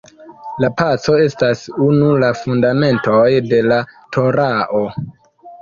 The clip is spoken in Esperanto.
La paco estas unu la fundamentoj de la Torao.